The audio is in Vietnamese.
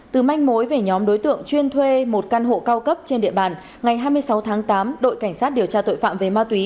từ manh mối về nhóm đối tượng chuyên thuê một căn hộ cao cấp trên địa bàn ngày hai mươi sáu tháng tám đội cảnh sát điều tra tội phạm về ma túy